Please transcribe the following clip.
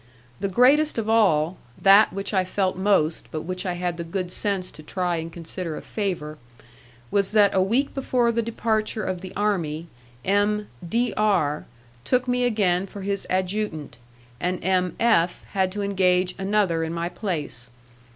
The greatest of all that which I felt most, but which I had the good sense to try and consider a favour was that a week before the departure of the army M. D R took me again for his adjutant, and M. F had to engage another in my place.